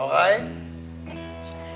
oke kan tante